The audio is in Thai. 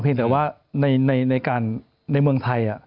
แต่ว่าในเมืองไทย